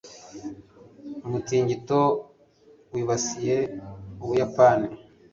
umutingito wibasiye ubuyapani